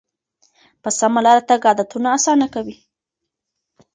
په سمه لاره تګ عادتونه اسانه کوي.